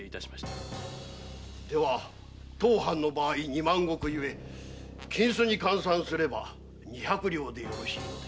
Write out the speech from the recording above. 当藩の場合二万石ゆえ金子に換算すれば二百両でよろしいので？